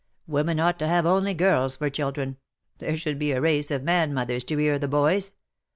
Women ought to have only girls for children. There should be a race of man mothers to rear the boys.